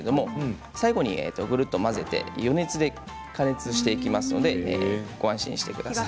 最後にぐるっと混ぜて余熱で加熱をしていきますのでご安心してください。